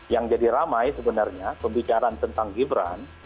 yang jadi ramai sebenarnya pembicaraan tentang gibran